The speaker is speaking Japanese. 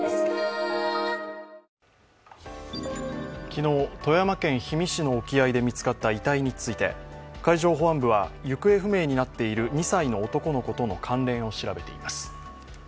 昨日、富山県氷見市の沖合で見つかった遺体について海上保安部は行方不明になっている２歳の男の子との関連を調べています。